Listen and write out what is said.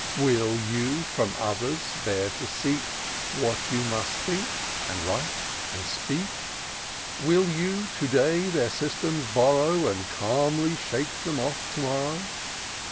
Will you from others bear to seek What you must think, and write, and speak ? WiU you, to day, their systems borrow. And calmly shake them off to morrow